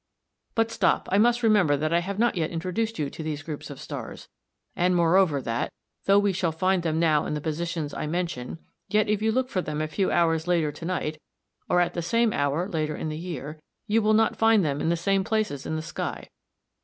But stop, I must remember that I have not yet introduced you to these groups of stars; and moreover that, though we shall find them now in the positions I mention, yet if you look for them a few hours later to night, or at the same hour later in the year, you will not find them in the same places in the sky.